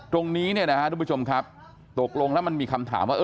ตรงนี้เนี่ยนะฮะทุกผู้ชมครับตกลงแล้วมันมีคำถามว่า